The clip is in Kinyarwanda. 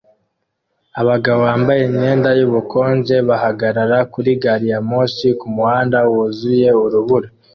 Abagabo bambaye imyenda yubukonje bahagarara kuri gari ya moshi kumuhanda wuzuye urubura